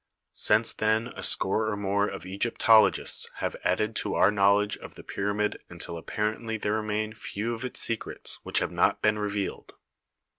Since then a score or more of Egyptologists have added to our knowledge of the pyramid until apparently there remain few of its secrets which have not been revealed.